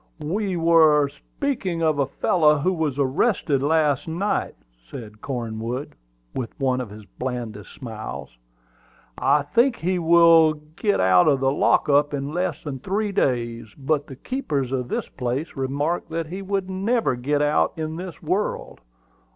"We were speaking of a fellow who was arrested last night," said Cornwood, with one of his blandest smiles. "I think he will get out of the lock up in less than three days; but the keeper of this place remarked that he would never get out in this world.